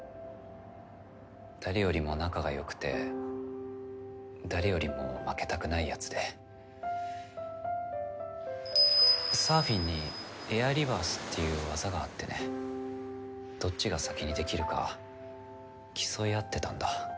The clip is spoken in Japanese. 誰よりも仲が良くて誰よりも負けたくないやつでサーフィンにエアーリバースっていう技があってねどっちが先にできるか競い合ってたんだ。